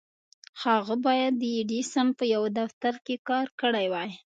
هغه بايد د ايډېسن په يوه دفتر کې کار کړی وای.